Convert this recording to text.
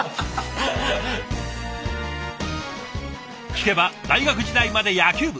聞けば大学時代まで野球部。